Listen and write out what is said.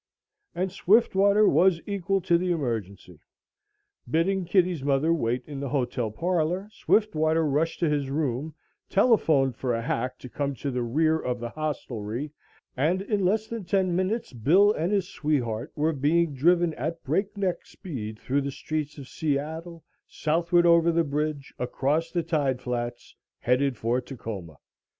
And Swiftwater was equal to the emergency. Bidding Kitty's mother wait in the hotel parlor, Swiftwater rushed to his room, telephoned for a hack to come to the rear of the hostelry, and in less than ten minutes Bill and his sweetheart were being driven at breakneck speed through the streets of Seattle, southward over the bridge across the tide flats, headed for Tacoma.